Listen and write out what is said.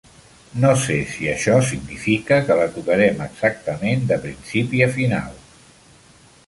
No sé si això significa que la tocarem exactament de principi a final.